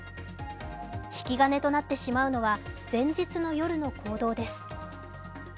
引き金となってしまうのは前日の夜の行動です。